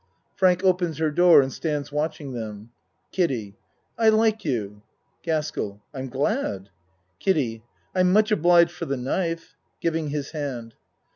(Frank opens her door and stands watching them.) KIDDIE I like you. GASKELL I'm glad. KIDDIE I'm much obliged for the knife. (Giv ing his hand.)